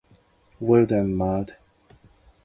Well done, Maud.